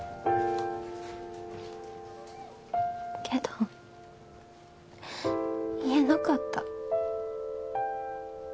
けど言えなかった。